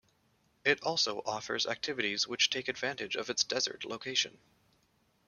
It also offers activities which take advantage of its desert location.